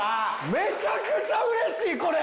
めちゃくちゃ嬉しいこれ！